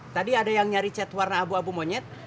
tadi ada yang nyari chat warna abu abu monyet